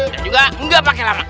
dan juga nggak pake lama